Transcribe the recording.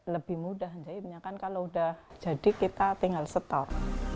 lebih mudah jadinya kan kalau udah jadi kita tinggal setor